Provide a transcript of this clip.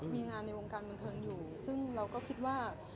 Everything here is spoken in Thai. มีงานในวงการบันเทิงอยู่ซึ่งเราก็คิดว่า